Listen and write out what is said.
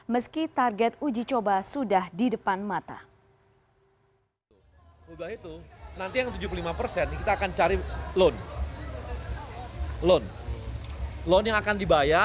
meski target uji coba sudah di depan mata